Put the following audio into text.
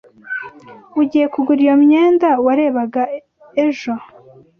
Ugiye kugura iyo myenda warebaga ejo?